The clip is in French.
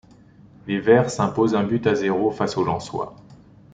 Les Verts s'imposent un but à zéro face aux Lensois.